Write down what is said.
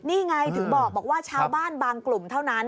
นี่ไงถึงบอกว่าชาวบ้านบางกลุ่มเท่านั้น